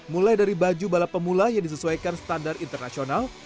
mulai dari baju balap pemula yang disesuaikan standar internasional